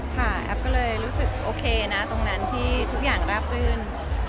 แอฟก็เลยรู้สึกโอเคนะตรงนั้นที่ทุกอย่างราบรื่น